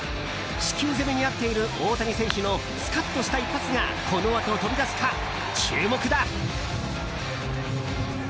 四球攻めにあっている大谷選手のスカッとした一発がこのあと飛び出すか、注目だ。